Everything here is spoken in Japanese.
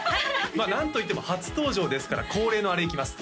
何といっても初登場ですから恒例のあれいきます